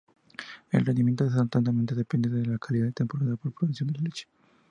El rendimiento es altamente dependiente de la calidad y temporada de producción de leche.